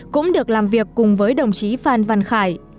cũng được làm việc cùng với đồng chí phan văn khải